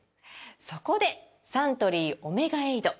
そこでサントリー「オメガエイド」！